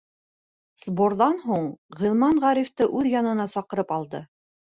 Сборҙан һуң Ғилман Ғарифты үҙ янына саҡырып алды.